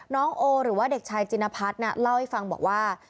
น้องโอหรือว่าเด็กชายจินพัฒน์เล่าให้ฟังบอกว่า